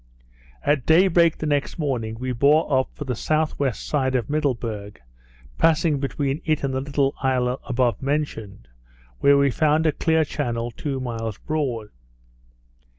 At day break the next morning, we bore up for the S.W. side of Middleburg, passing between it and the little isle above mentioned, where we found a clear channel two miles broad.